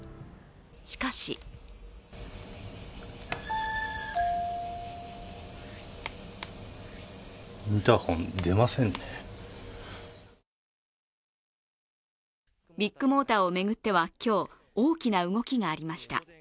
しかしビッグモーターを巡っては今日大きな動きがありました。